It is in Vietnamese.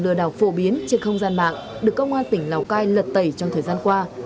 lừa đảo phổ biến trên không gian mạng được công an tỉnh lào cai lật tẩy trong thời gian qua